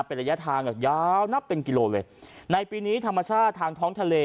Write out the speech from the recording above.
เป็นระยะทางอ่ะยาวนับเป็นกิโลเลยในปีนี้ธรรมชาติทางท้องทะเล